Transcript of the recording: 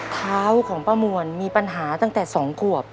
เท้าของป้ามวลมีปัญหาตั้งแต่๒ขวบ